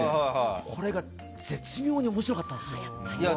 これが絶妙に面白かったんですよ。